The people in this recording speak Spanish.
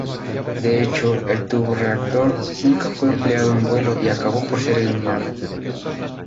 De hecho el turborreactor nunca fue empleado en vuelo y acabó por ser eliminado.